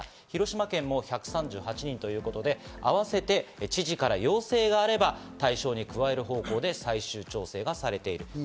広島県も１３８人ということで合わせて知事から要請があれば対象に加える方向で最終調整がされている。